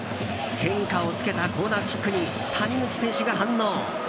変化をつけたコーナーキックに谷口選手が反応。